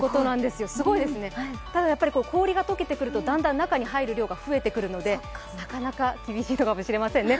すごいですね、ただやっぱり氷が溶けてくるとだんだん中に入る量が増えてくるのでなかなか厳しいのかもしれませんね。